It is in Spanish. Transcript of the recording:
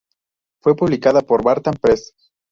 Fue publicada por Bantam Press.